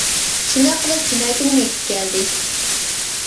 شۇنداق قىلىپ جۈمە كۈنىمۇ يىتىپ كەلدى.